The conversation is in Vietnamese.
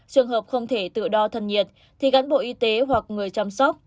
trường hợp không thể tự đo thân nhiệt thì cán bộ y tế hoặc người chăm sóc